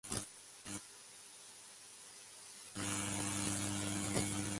Moreau lo persigue, pero se acaban matando mutuamente.